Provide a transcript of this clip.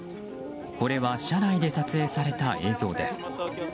これは車内で撮影された映像です。